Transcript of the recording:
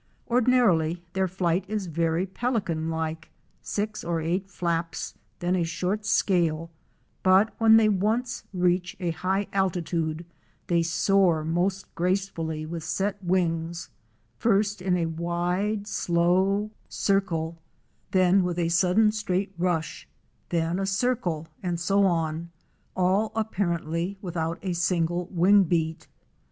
Ordinarily their flight is very pelican like; six or eight flaps, then a short scale, but when they once reach a high altitude, they soar most gracefully with set wings, first in a wide, slow 252 OUR SEARCH FOR A WILDERNESS. circle, then with a sudden straight rush, then a circle and so on, all apparently without a single wing beat.